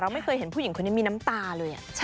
ไม่เคยเห็นผู้หญิงคนนี้มีน้ำตาเลย